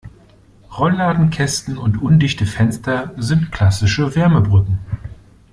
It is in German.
Rollladenkästen und undichte Fenster sind klassische Wärmebrücken.